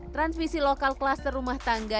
transmisi lokal klaster rumah tangga